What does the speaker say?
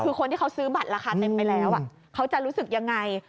คือคนที่เขาซื้อบัตรราคาเต็มไปแล้วเขาจะรู้สึกยังไง